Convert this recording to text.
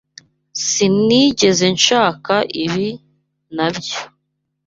Sinigeze nshaka ibi, nabyo.